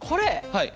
はい。